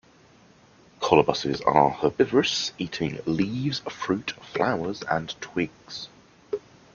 Colobuses are herbivorous, eating leaves, fruit, flowers, and twigs.